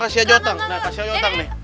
kasih aja otang nah kasih aja otang nih